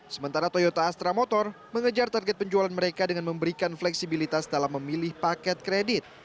sementara toyota astra motor mengejar target penjualan mereka dengan memberikan fleksibilitas dalam memilih paket kredit